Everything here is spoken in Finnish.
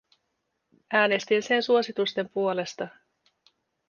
Äänestin sen suositusten puolesta.